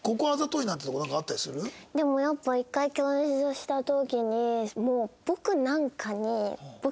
でもやっぱ１回共演した時に。